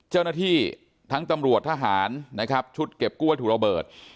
เจ้าหน้าที่ทั้งตำรวจทหารนะครับชุดเก็บกู้วัตถุระเบิด